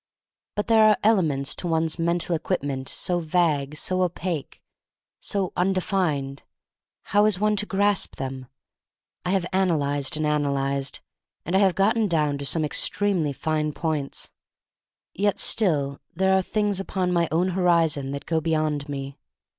But there are elements in one's men tal equipment so vague, so opaque, so undefined — how is one to grasp them? I have analyzed and analyzed, and I have gotten down to some extremely fine points — ^yet still there are things upon my own horizon that go beyond me.